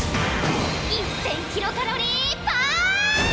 １０００キロカロリーパーンチ！